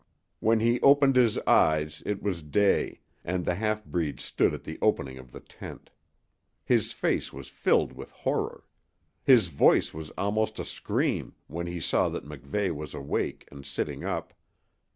When he opened his eyes it was day, and the half breed stood at the opening of the tent. His face was filled with horror. His voice was almost a scream when he saw that MacVeigh was awake and sitting up.